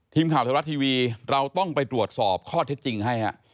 ทีมข่าวไทยรัฐทีวีเราต้องไปตรวจสอบข้อเท็จจริงให้ฮะ